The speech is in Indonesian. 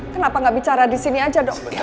kenapa nggak bicara di sini aja dok